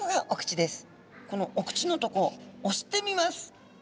このお口のとこ押してみます。